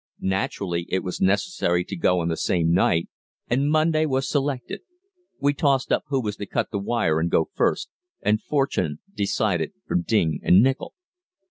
Naturally it was necessary to go on the same night, and Monday was selected. We tossed up who was to cut the wire and go first, and fortune decided for Ding and Nichol.